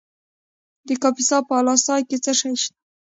د کاپیسا په اله سای کې څه شی شته؟